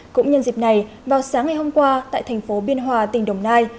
cũng nhân dịp này vào sáng ngày hôm qua tại thành phố biên hòa tỉnh đồng nai